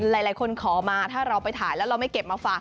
หลายคนขอมาถ้าเราไปถ่ายแล้วเราไม่เก็บมาฝาก